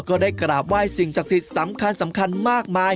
ก็ได้กราบไหว้สิ่งศักดิ์สิทธิ์สำคัญมากมาย